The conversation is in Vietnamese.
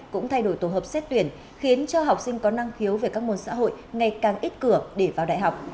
cũng thay đổi tổ hợp xét tuyển khiến cho học sinh có năng khiếu về các môn xã hội ngày càng ít cửa để vào đại học